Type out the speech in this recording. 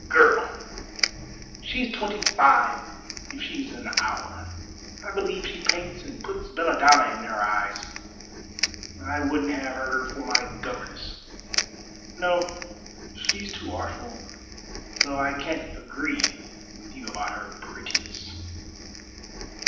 "Girl! She's twenty five if she's an hour. I believe she paints and puts belladonna in her eyes. I wouldn't have her for my governess. No, she's too artful, though I can't agree with you about her prettiness."